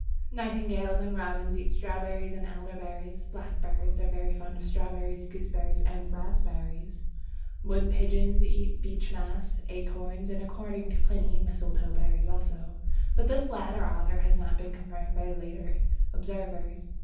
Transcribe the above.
Nightingales and robins eat strawberries and elderberries; blackbirds are very fond of strawberries, gooseberries, and raspberries. Wood pigeons eat beechmast, acorns, and, according to Pliny, mistletoe berries also, but this latter author has not been confirmed by later observers.